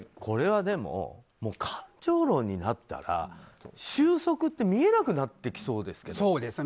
これはでも、感情論になったら収束って見えなくなってきそうですけど。